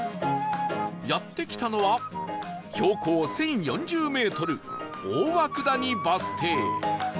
やって来たのは標高１０４０メートル大涌谷バス停